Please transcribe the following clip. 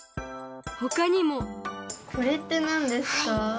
ほかにもこれってなんですか？